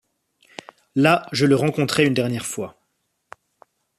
Là, je le rencontrerais une dernière fois.